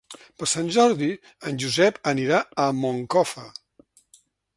Per Sant Jordi en Josep anirà a Moncofa.